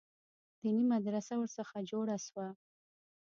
دیني مدرسه ورڅخه جوړه سوه.